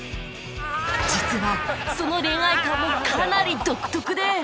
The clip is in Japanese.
実はその恋愛観もかなり独特で